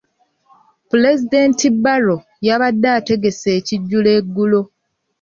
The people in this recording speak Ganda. Pulezidenti Barrow yabadde ategese ekijjulo eggulo.